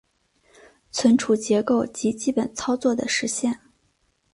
存储结构及基本操作的实现